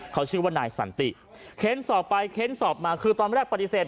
เขาชื่อว่านายสันติเค้นสอบไปเค้นสอบมาคือตอนแรกปฏิเสธ